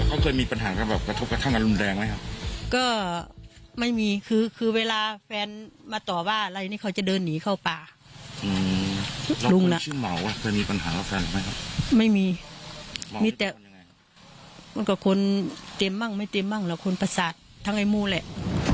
อันนี้เขาจะเดินหนีเข้าป่ามีความเชื่อมมาวว่าเคยมีปัญหาฟังไหมครับไม่มีมีแต่คนเต็มบ้างไม่เต็มบ้างหรอกคนประสาททั้งไอ้มูนแหละ